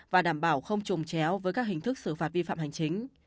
và đảm bảo không trồng chéo với các hình thức xử phạt vi phạm hành chính